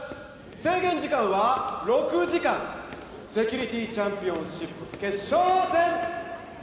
制限時間は６時間セキュリティチャンピオンシップ決勝戦！